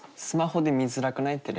スマホで見づらくない？